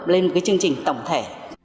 lên một chương trình tổng thể